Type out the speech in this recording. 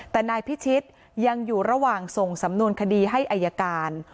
แต่นายพิชิตยังอยู่ระหว่างส่งสำนวนคดีให้อายการ